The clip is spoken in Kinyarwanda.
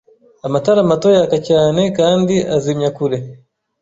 Amatara mato yaka cyane kandi azimya kure.